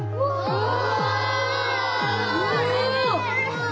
うわ！